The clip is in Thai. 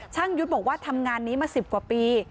ยุทธ์บอกว่าทำงานนี้มา๑๐กว่าปี